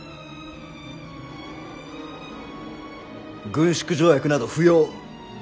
軍縮条約など不要。